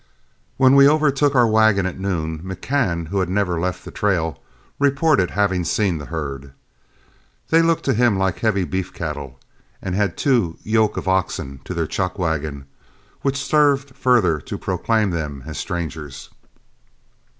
When we overtook our wagon at noon, McCann, who had never left the trail, reported having seen the herd. They looked to him like heavy beef cattle, and had two yoke of oxen to their chuck wagon, which served further to proclaim them as strangers.